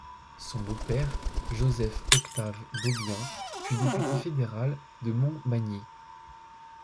Son beau-père, Joseph-Octave Beaubien, fut député fédéral de Montmagny.